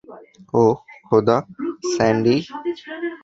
ওহ, খোদা, স্যান্ডি।